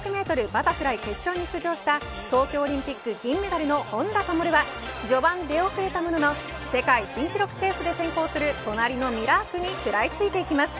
バタフライ決勝に出場した東京オリンピック銀メダルの本多灯は序盤出遅れたものの世界新記録ペースで先行する隣のミラークに食らいついていきます。